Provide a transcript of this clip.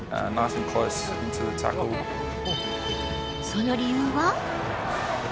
その理由は。